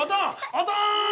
おとん！